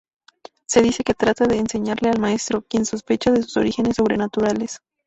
Se dice que trata de enseñarle al maestro, quien sospecha de sus orígenes sobrenaturales.